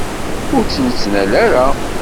Ur tt-nettnal ara.